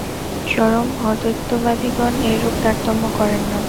চরম অদ্বৈতবাদিগণ এইরূপ তারতম্য করেন না।